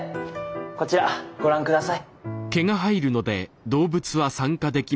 こちらご覧下さい。